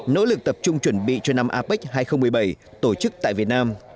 nỗ lực tập trung chuẩn bị cho năm apec hai nghìn một mươi bảy tổ chức tại việt nam